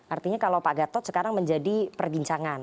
artinya kalau pak gatot sekarang menjadi perbincangan